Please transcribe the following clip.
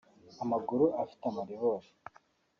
amaguru afite amaribori…